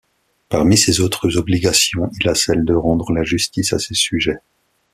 Parmi ses autres obligations, il a celle de rendre la justice à ses sujets.